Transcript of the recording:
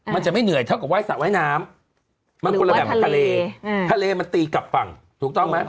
มันจะไม่เหนื่อยเท่ากับว่ายสระว่ายน้ำมันคนละแบบของทะเลทะเลมันตีกลับฝั่งถูกต้องไหม